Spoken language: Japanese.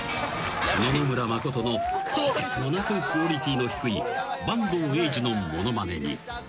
［野々村真のとてつもなくクオリティーの低い板東英二のものまねに］